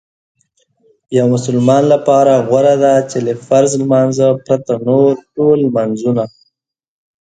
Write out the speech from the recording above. یو مسلمان لپاره غوره داده چې له فرض لمانځه پرته نور ټول لمنځونه